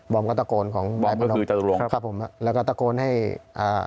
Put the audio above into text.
บอมก็ตะโกนของบอมก็คือเจ้าตุรงค์ครับผมแล้วก็ตะโกนให้อ่า